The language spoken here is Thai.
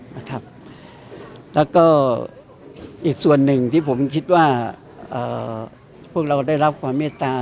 แล้วก็อีกส่วนหนึ่งที่ผมคิดว่าพวกเราได้รับความเมตตา